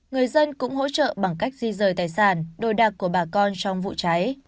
người dân cũng hỗ trợ bằng cách di rời tài sản đồ đạc của bà con trong vụ cháy